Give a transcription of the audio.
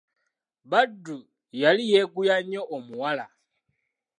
Badru yali yeeguya nnyo omuwala.